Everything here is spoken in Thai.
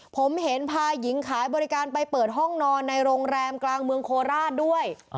ผมเห็นพาหญิงขายบริการไปเปิดห้องนอนในโรงแรมกลางเมืองโคราชด้วย